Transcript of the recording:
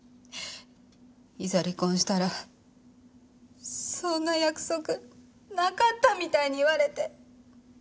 いざ離婚したらそんな約束なかったみたいに言われて。